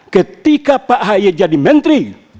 ketika pak ahy jadi menteri